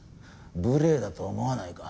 無礼だと思わないか？